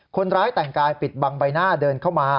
คนร้ายแต่งกายปิดบังใบหน้าเดินเข้ามา